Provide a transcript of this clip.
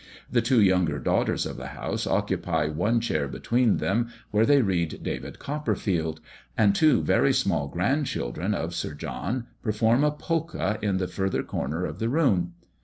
The two younger daughters of the house occupy one chair between them, where they read "David Copperfield," and two very small grandchildren of Sir John perform a polka in the further corner of the room.